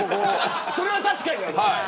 それは確かにある。